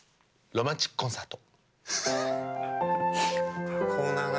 「ロマンチックコンサート」。